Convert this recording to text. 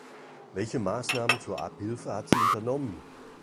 Welche Maßnahmen zur Abhilfe hat sie unternommen?